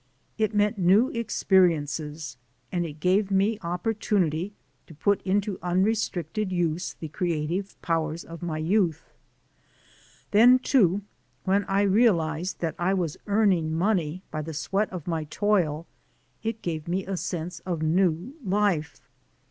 It meant new experiences, and it gave me opportunity to put into unrestricted use the cre ative powers of my youth. Then too, when I real ized that I was earning money by the sweat of my toil, it gave me a sense of new life.